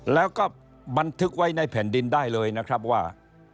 แล้วก็บันทึกไว้ในแผ่นดินได้เลยนะครับว่า